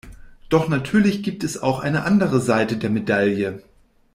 Doch natürlich gibt es auch eine andere Seite der Medaille.